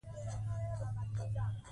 د نجونو ښوونځي ټولنیزې اړیکې ښې کوي.